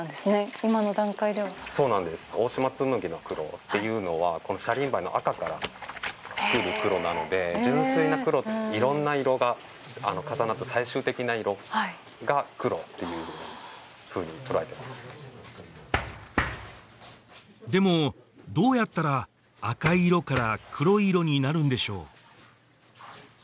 今の段階ではそうなんです大島紬の黒っていうのはこのシャリンバイの赤から作る黒なので純粋な黒色んな色が重なった最終的な色が黒っていうふうに捉えてますでもどうやったら赤い色から黒い色になるんでしょう？